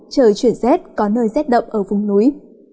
trời chuyển rét có nơi rét đậm ở vùng núi